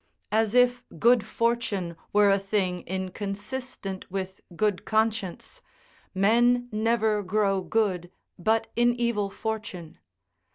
As if good fortune were a thing inconsistent with good conscience, men never grow good but in evil fortune.